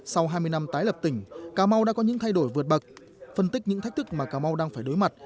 sau hai mươi năm tái lập tỉnh cà mau đã có những thay đổi vượt bậc phân tích những thách thức mà cà mau đang phải đối mặt